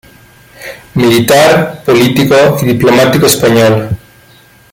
Militar, político y diplomático español.